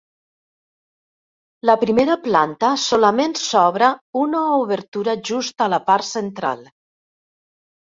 La primera planta solament s'obra una obertura just a la part central.